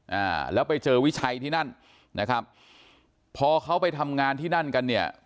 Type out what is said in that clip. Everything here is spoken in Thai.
อ่าแล้วไปเจอวิชัยที่นั่นนะครับพอเขาไปทำงานที่นั่นกันเนี่ย